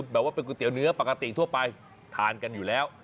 แบบว่าเป็นก๋วยเตี๋ยวเนื้อปกติทั่วไปทานกันอยู่แล้ว